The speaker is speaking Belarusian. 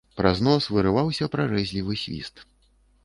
Праз нос вырываўся прарэзлівы свіст.